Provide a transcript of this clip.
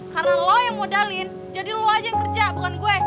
karena lo yang modalin jadi lo aja yang kerja bukan gue